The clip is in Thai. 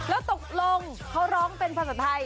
แล้วตกลงเขาร้องเป็นภาษาไทย